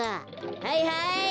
はいはい。